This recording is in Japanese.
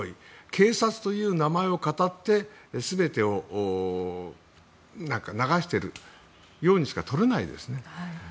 警察という名前をかたって全てを流しているようにしか取れないですね。